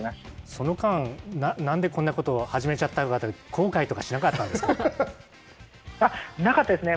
その間、なんでこんなことを始めちゃったのかとか、後悔とかなかったですね。